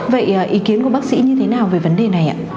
vậy ý kiến của bác sĩ như thế nào về vấn đề này ạ